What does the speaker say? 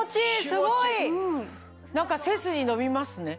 すごい！何か背筋伸びますね。